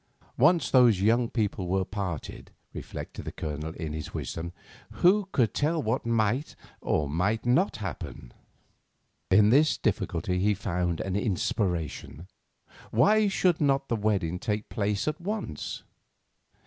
Once those young people were parted, reflected the Colonel in his wisdom, who could tell what might or might not happen? In this difficulty he found an inspiration. Why should not the wedding take place at once?